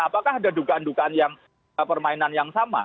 apakah ada dugaan dugaan yang permainan yang sama